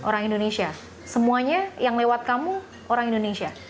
orang indonesia semuanya yang lewat kamu orang indonesia